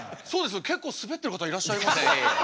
結構スベってる方いらっしゃいます。